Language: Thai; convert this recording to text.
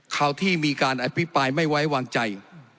ข่าวที่มีการอภิปรายไม่ไว้วางใจ